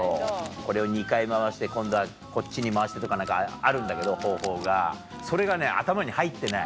これを２回回して今度はこっちに回してとか何かあるんだけど方法がそれがね頭に入ってない。